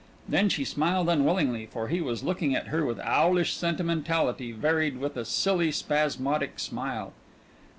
Then she smiled unwillingly, for he was looking at her with owlish sentimentality varied with a silly spasmodic smile.